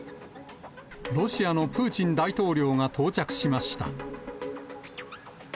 ロシアのプーチン大統領が到着しました。